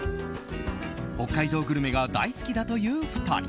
北海道グルメが大好きだという２人。